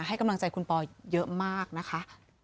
ให้กำลังใจคุณปอเยอะมากนะคะ